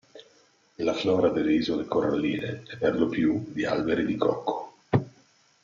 La flora delle isole coralline è per lo più di alberi di cocco.